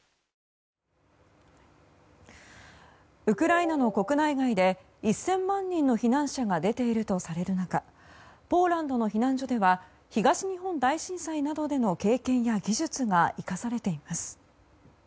ウクライナの国内外で１０００万人の避難者が出ているとされる中ポーランドの避難所では東日本大震災などでの経験や技術が生かされています。